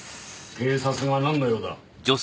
警察がなんの用だ。